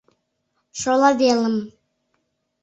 шола велым